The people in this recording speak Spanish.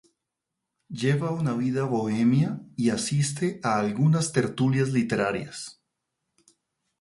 Lleva una vida bohemia y asiste a algunas tertulias literarias.